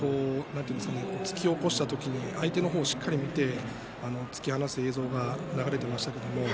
伸ばす角度、突き起こした時に相手をしっかり見て突き放す映像が流れていました。